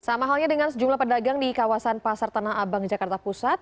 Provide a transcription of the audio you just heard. sama halnya dengan sejumlah pedagang di kawasan pasar tanah abang jakarta pusat